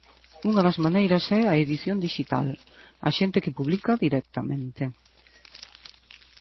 Unha das maneiras é a edición dixital, a xente que publica directamente.